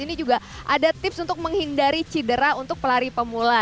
ini juga ada tips untuk menghindari cedera untuk pelari pemula